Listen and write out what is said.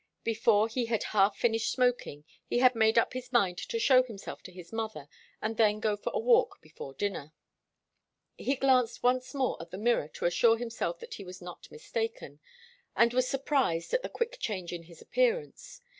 Before he had half finished smoking he had made up his mind to show himself to his mother and then to go for a walk before dinner. He glanced once more at the mirror to assure himself that he was not mistaken, and was surprised at the quick change in his appearance.